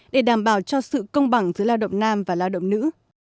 để đảm bảo cho sự công bằng giữa lao động nam và lao động nữ